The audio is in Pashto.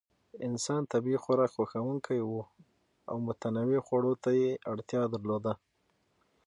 انسان طبیعي خوراک خوښونکی و او متنوع خوړو ته یې اړتیا درلوده.